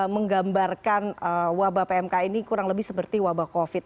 menggambarkan wabah pmk ini kurang lebih seperti wabah covid